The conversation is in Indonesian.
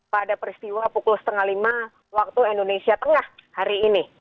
pada peristiwa pukul setengah lima waktu indonesia tengah hari ini